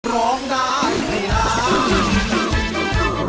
ร้องได้ให้ล้าน